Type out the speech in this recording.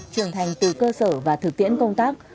trưởng thành từ cơ sở và thực tiễn công tác